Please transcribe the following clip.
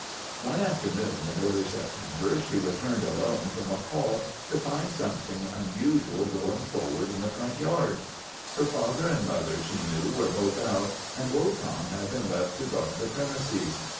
One afternoon in early September she returned alone from a call to find something unusual going forward in the front yard. Her father and mother, she knew, were both out, and Wotan had been left to guard the premises.